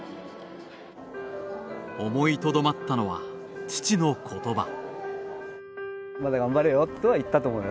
思いとどまったのは、父の言葉。